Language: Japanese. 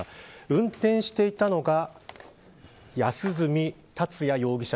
運転していたのが安栖達也容疑者